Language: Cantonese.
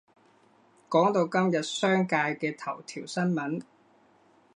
講到今日商界嘅頭條新聞